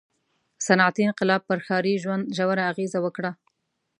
• صنعتي انقلاب پر ښاري ژوند ژوره اغېزه وکړه.